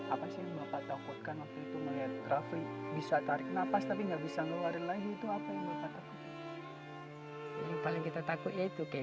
apa sih yang bapak takutkan waktu itu melihat rafli bisa tarik napas tapi nggak bisa ngeluarin lagi itu apa yang bapak takutkan